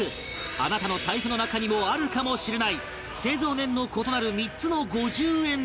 あなたの財布の中にもあるかもしれない製造年の異なる３つの５０円玉